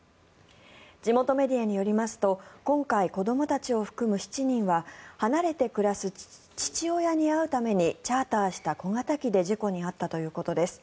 地元メディアによりますと今回、子どもたちを含む７人は離れて暮らす父親に会うためにチャーターした小型機で事故に遭ったということです。